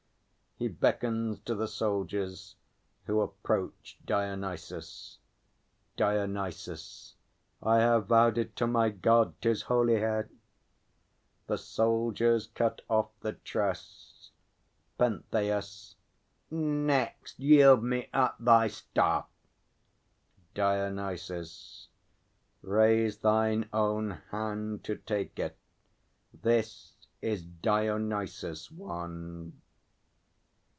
[He beckons to the soldiers, who approach DIONYSUS. DIONYSUS. I have vowed it to my God; 'tis holy hair. [The soldiers cut off the tress. PENTHEUS. Next, yield me up thy staff! DIONYSUS. Raise thine own hand To take it. This is Dionysus' wand.